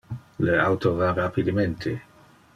Le auto va rapidemente.